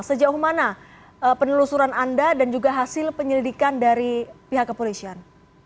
sejauh mana penelusuran anda dan juga hasil penyelidikan dari pihak kepolisian